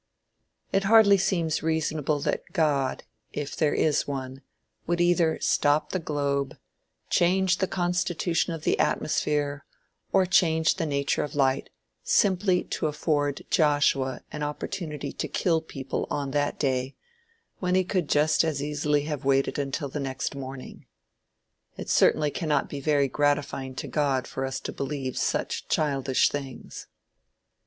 It hardly seems reasonable that God, if there is one, would either stop the globe, change the constitution of the atmosphere or the nature of light simply to afford Joshua an opportunity to kill people on that day when he could just as easily have waited until the next morning. It certainly cannot be very gratifying to God for us to believe such childish things.